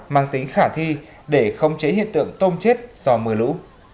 mang tính khả thi để khống chế hiện tượng tôm chết do mưa lũ